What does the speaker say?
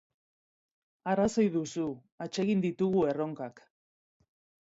Arrazoi duzu, atsegin ditugu erronkak.